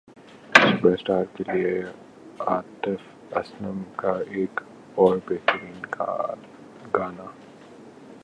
superstar کے لیے عاطف اسلم کا ایک اور بہترین گانا